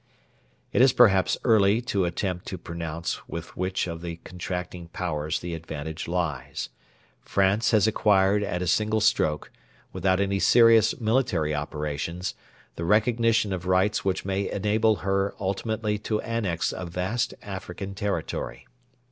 It is perhaps early to attempt to pronounce with which of the contracting Powers the advantage lies. France has acquired at a single stroke, without any serious military operations, the recognition of rights which may enable her ultimately to annex a vast African territory.